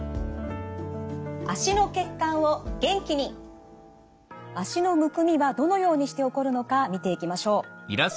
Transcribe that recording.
脚のむくみはどのようにして起こるのか見ていきましょう。